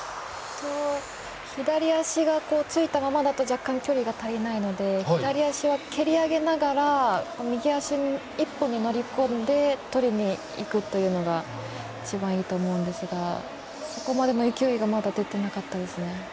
左足がついたままだと若干、距離が足りないので左足は蹴り上げながら右足、一歩で乗り込んでとりにいくというのが一番いいと思うんですがそこまでの勢いがまだ出てなかったですね。